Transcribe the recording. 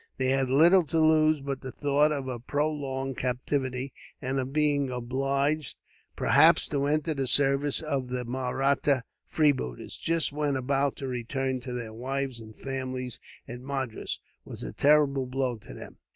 They had little to lose; but the thought of a prolonged captivity, and of being obliged, perhaps, to enter the service of the Mahratta freebooters, just when about to return to their wives and families at Madras, was a terrible blow to them.